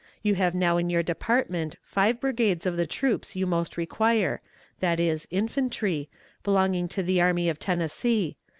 You have now in your department five brigades of the troops you most require, viz., infantry, belonging to the Army of Tennessee.